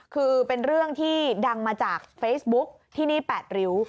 คือเป็นเรื่องที่ดังมาจากเฟซบุ๊คที่นี่๘ริ้ว